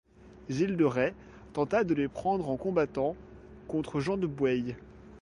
Gilles de Rais tenta de les prendre en combattant contre Jean de Bueil.